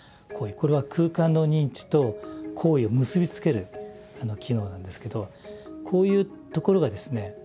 これは空間の認知と行為を結び付ける機能なんですけどこういうところがですね